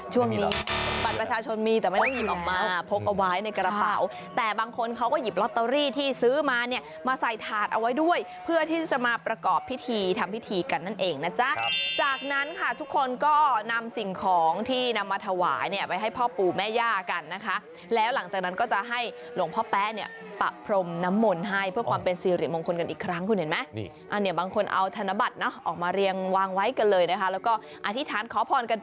ช่วงนี้ปัจประชาชนมีแต่ไม่ต้องหยิบออกมาพกเอาไว้ในกระเป๋าแต่บางคนเขาก็หยิบลอตเตอรี่ที่ซื้อมาเนี่ยมาใส่ถาดเอาไว้ด้วยเพื่อที่จะมาประกอบพิธีทำพิธีกันนั่นเองนะจ๊ะจากนั้นค่ะทุกคนก็นำสิ่งของที่นำมาถวายเนี่ยไว้ให้พ่อปู่แม่ย่ากันนะคะแล้วหลังจากนั้นก็จะให้หลวงพ่อแป๊ะเนี่ยปะพรมน